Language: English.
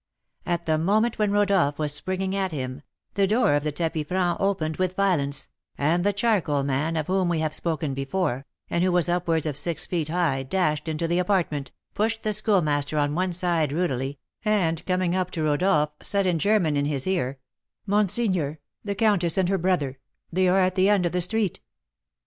At the moment when Rodolph was springing at him, the door of the tapis franc opened with violence, and the charcoal man, of whom we have before spoken, and who was upwards of six feet high, dashed into the apartment, pushed the Schoolmaster on one side rudely, and coming up to Rodolph, said, in German, in his ear: "Monseigneur, the countess and her brother they are at the end of the street."